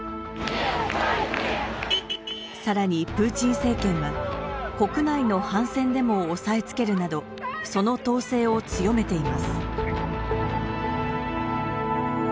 さらにプーチン政権は国内の反戦デモを押さえつけるなどその統制を強めています。